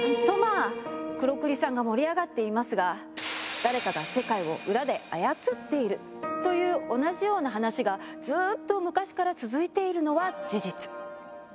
とまあ黒クリさんが盛り上がっていますが「誰かが世界を裏で操っている」という同じような話がずっと昔から続いているのは事実。